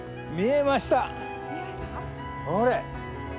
あれ。